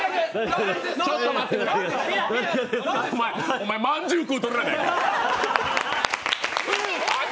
お前、まんじゅう食うとるやないか！